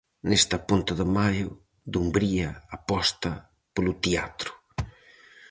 Nesta ponte de maio, Dumbría aposta polo teatro.